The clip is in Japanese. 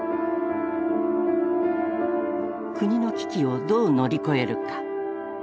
国の危機をどう乗り越えるか。